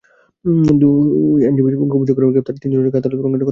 দুই আইনজীবী অভিযোগ করেন, গ্রেপ্তার তিনজনের সঙ্গে আদালত প্রাঙ্গণে কথা বলতে দেয়নি র্যাব।